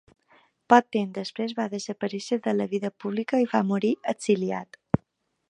Poc temps després va desaparèixer de la vida pública i va morir exiliat.